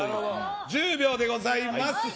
１０秒でございます。